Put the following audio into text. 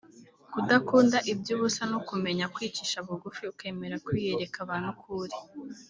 kudakunda iby’ubusa no kumenya kwicisha bugufi ukemera kwiyereka abantu uko uri